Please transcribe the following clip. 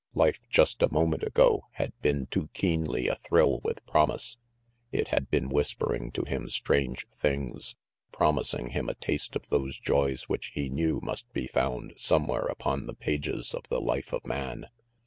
Life, just a moment ago, had been too keenly athrill with promise. It had been whispering to him strange things, promising him a taste of those joys which he knew must be found somewhere upon the pages of the life of man.